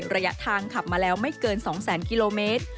ระยะทางขับมาแล้วไม่เกิน๒๐๐๐กิโลเมตร